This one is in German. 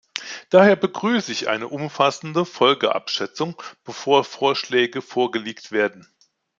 Daher begrüße ich eine umfassende Folgenabschätzung, bevor Vorschläge vorgelegt werden.